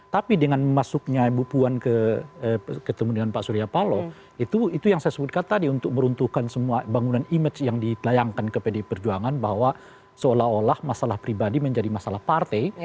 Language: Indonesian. tapi dengan masuknya ibu puan ketemu dengan pak surya paloh itu yang saya sebutkan tadi untuk meruntuhkan semua bangunan image yang ditelayangkan ke pdi perjuangan bahwa seolah olah masalah pribadi menjadi masalah partai